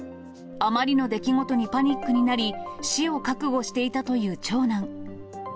あまりの出来事にパニックになり、死を覚悟していたという長男。